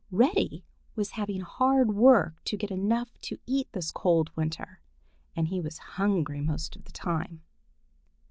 Reddy was having hard work to get enough to eat this cold weather, and he was hungry most of the time.